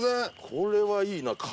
これはいいな。